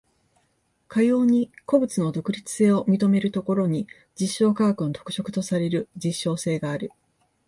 かように個物の独立性を認めるところに、近代科学の特色とされる実証性がある。